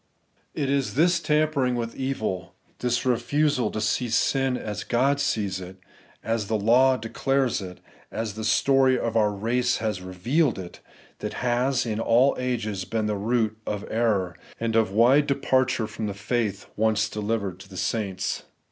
It is this tampering with evil, this refusal to see sin as God sees it, as the law declares it, and as the story of our race has revealed it, that has in all ages been the root of error, and of wide departure from the faith once delivered to the saints.